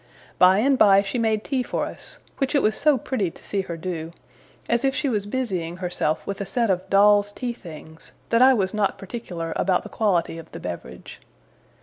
By and by she made tea for us; which it was so pretty to see her do, as if she was busying herself with a set of doll's tea things, that I was not particular about the quality of the beverage.